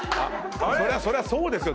そりゃそうですよ。